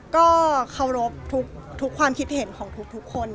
ก็เคารพทุกความคิดเห็นของทุกคน